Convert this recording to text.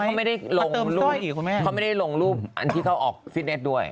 เขาไม่ได้ลงรูปอันที่เขาออกฟิตเนสด้วย